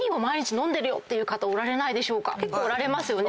結構おられますよね。